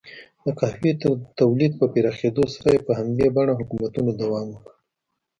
د قهوې تولید په پراخېدو سره یې په همدې بڼه حکومتونو دوام وکړ.